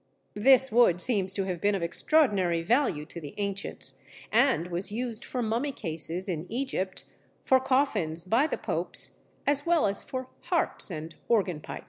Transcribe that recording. This wood seems to have been of extraordinary value to the ancients, and was used for mummy cases in Egypt, for coffins by the Popes, as well as for harps and organ pipes.